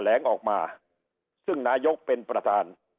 แหลงออกมาซึ่งนายกเป็นประธาน